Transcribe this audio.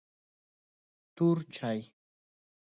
توري چای